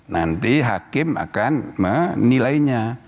nanti hakim akan menilainya